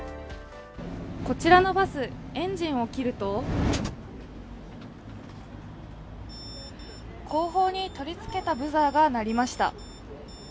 こちらのバス、エンジンを切ると後方に取り付けたブザーが鳴りました。